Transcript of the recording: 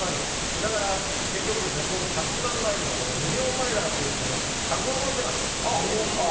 だから結局１００万マイルのミリオンマイラーというタグを持っています。